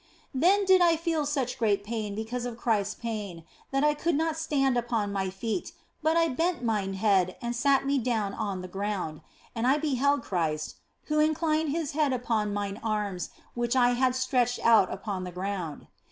Then did I feel such great pain because of Christ s pain that I conld not stand upon my feet, but I bent mine head and sat me down on the ground ; and I beheld Christ, who inclined His head upon mine arms which I had stretched out upon the ground.